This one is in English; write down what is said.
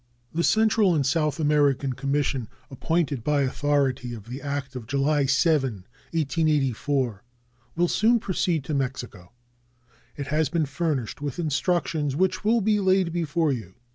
The Central and South American Commission appointed by authority of the act of July 7, 1884, will soon proceed to Mexico. It has been furnished with instructions which will be laid before you.